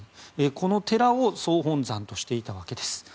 この寺を総本山としていたわけです。